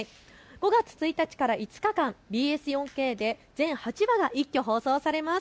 ５月１日から５日間、ＢＳ４Ｋで全８話が一挙放送されます。